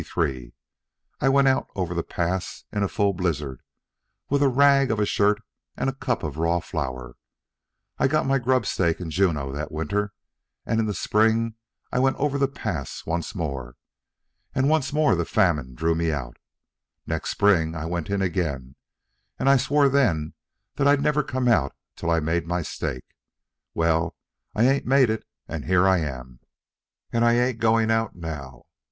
I went out over the Pass in a fall blizzard, with a rag of a shirt and a cup of raw flour. I got my grub stake in Juneau that winter, and in the spring I went over the Pass once more. And once more the famine drew me out. Next spring I went in again, and I swore then that I'd never come out till I made my stake. Well, I ain't made it, and here I am. And I ain't going out now.